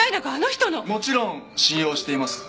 もちろん信用しています。